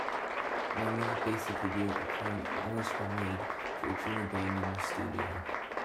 One is a basic video, appearing almost homemade, featuring the band in the studio.